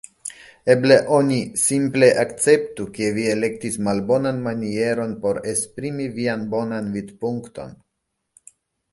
Eble oni simple akceptu, ke vi elektis malbonan manieron por esprimi vian bonan vidpunkton.